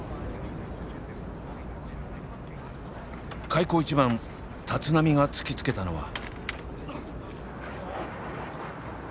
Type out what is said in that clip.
開口一番立浪が突きつけたのは。